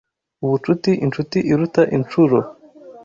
Ubucuti Inshuti iruta inshuro